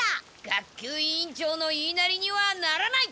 学級委員長の言いなりにはならない！